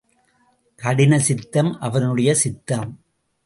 கடினசித்தம் அவனுடைய சித்தம்!